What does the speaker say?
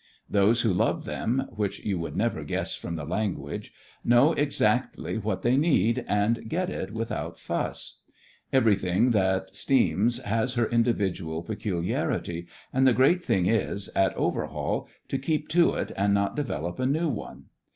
Those who love them, which you would never guess from the language, know exactly 106 THE FRINGES OF THE FLEET what they need, and get it without fuss. Everything that steams has her individual pecuHarity, and the great thing is, at overhaul, to keep to it and not develop a new one.